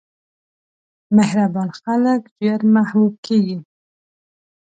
مهربان خلک ژر محبوب کېږي.